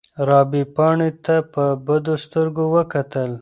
رابعې پاڼې ته په بدو سترګو وکتل.